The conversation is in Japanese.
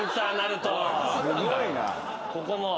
ここも。